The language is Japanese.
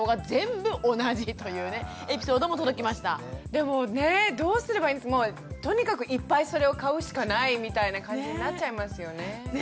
でもねどうすればいいとにかくいっぱいそれを買うしかないみたいな感じになっちゃいますよね。ね！